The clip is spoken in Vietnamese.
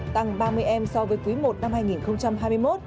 tăng ba mươi em so với quý i năm hai nghìn hai mươi một